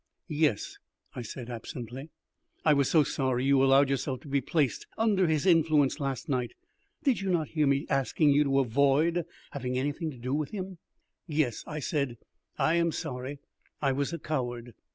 "Yes," I said absently. "I was so sorry you allowed yourself to be placed under his influence last night. Did you not hear me asking you to avoid having anything to do with him?" "Yes," I said, "I am sorry. I was a coward."